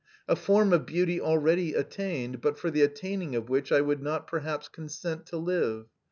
A form of beauty already attained, but for the attaining of which I would not perhaps consent to live....